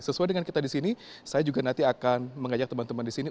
sesuai dengan kita di sini saya juga nanti akan mengajak teman teman di sini